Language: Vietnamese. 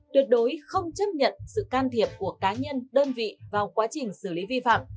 tuyệt đối không chấp nhận sự can thiệp của cá nhân đơn vị vào quá trình xử lý vi phạm